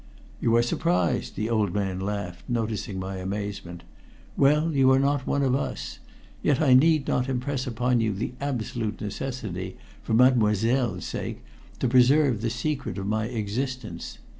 "You are surprised," the old man laughed, noticing my amazement. "Well, you are not one of us, yet I need not impress upon you the absolute necessity, for Mademoiselle's sake, to preserve the secret of my existence.